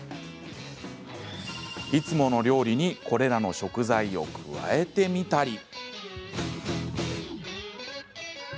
いつもの料理にこれらの食材を加えてみたり。